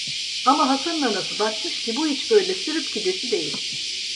Ama Hasan'ın anası bakmış ki bu iş böyle sürüp gidesi değil…